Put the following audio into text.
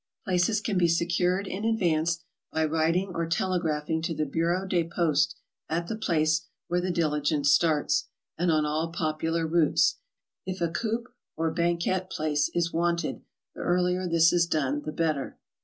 ?6 GOING ABROAD? Places can be secured in advance by writing or tele graphing to the Bureau des Postes at the place where the diligence starts, and on all popular routes, if a coupe or ban quette place is wanted, the earlier this is done, the better.